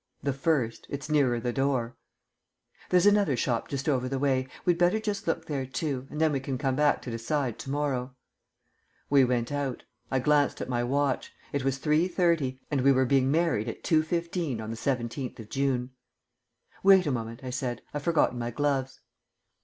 "The first; it's nearer the door." "There's another shop just over the way. We'd better just look there too, and then we can come back to decide to morrow." We went out. I glanced at my watch. It was 3.30, and we were being married at 2.15 on the seventeenth of June. "Wait a moment," I said, "I've forgotten my gloves."